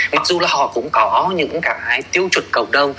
mặc dù là họ cũng có những cái tiêu chuẩn cầu